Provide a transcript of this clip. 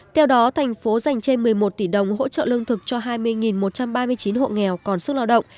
theo đó thành phố dành trên một mươi một tỷ đồng hỗ trợ lương thực cho hai mươi một trăm ba mươi chín hộ nghèo còn sức lao động